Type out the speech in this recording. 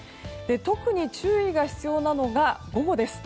特に注意が必要なのが午後です。